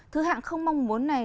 thứ hạng không mong muốn này